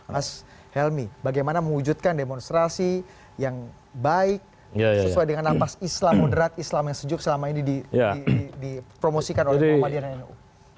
mas helmi bagaimana mewujudkan demonstrasi yang baik sesuai dengan nampas islam moderat islam yang sejuk selama ini dipromosikan oleh muhammadiyah dan nu